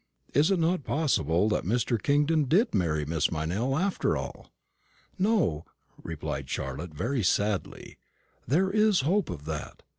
"Is it not possible that Mr. Kingdon did marry Miss Meynell, after all?" "No," replied Charlotte, very sadly; "there is no hope of that.